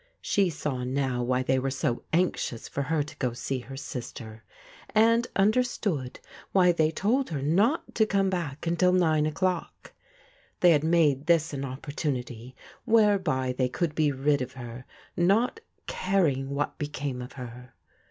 She saw now why they were so anxious for her to go to see her sister, and understood why they told her not to come back until nine o'clock. They had made this an opportunity whereby they could be rid of her, not caring what became of her.